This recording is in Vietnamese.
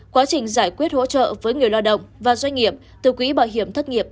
quá trình giải quyết hỗ trợ với người lao động và doanh nghiệp từ quỹ bảo hiểm thất nghiệp